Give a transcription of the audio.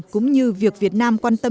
cũng như việc việt nam quan tâm